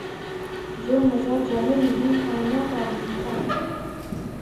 جو مزہ جوہر نہیں آئینۂ تعبیر کا